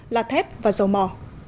là thép và dầu mò